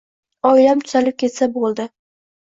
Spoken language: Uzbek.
Oilam tuzalib ketsa boʻldi.